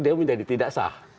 dia menjadi tidak sah